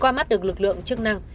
qua mắt được lực lượng chức năng